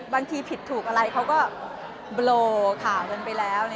บางทีผิดถูกอะไรเขาก็โบลข่าวกันไปแล้ว